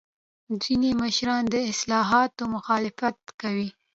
ځینې مشران د اصلاحاتو مخالفت کوي.